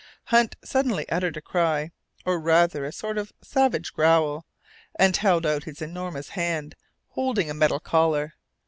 Hunt suddenly uttered a cry, or rather a sort of savage growl, and held out his enormous hand, holding a metal collar.